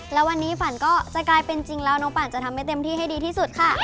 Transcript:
แล้ววันนี้ฝันก็จะกลายเป็นจริงแล้วน้องปั่นจะทำให้เต็มที่ให้ดีที่สุดค่ะ